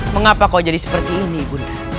mengapa kau jadi seperti ini ibu nda